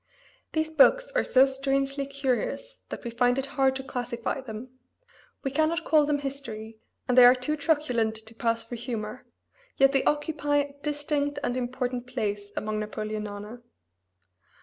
These books are so strangely curious that we find it hard to classify them: we cannot call them history, and they are too truculent to pass for humor; yet they occupy a distinct and important place among Napoleonana.